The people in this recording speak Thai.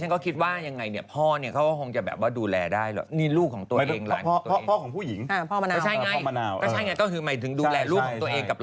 ก็ใช่ไงก็หมายถึงดูแลลูกของตัวเองกับลายของตัวเองได้